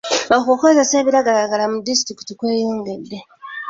Okukozesa ebiragalalagala mu disitulikiti kweyongedde.